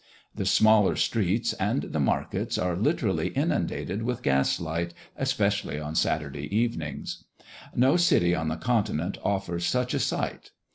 The smaller streets and the markets, are literally inundated with gaslight especially on Saturday evenings. No city on the Continent offers such a sight.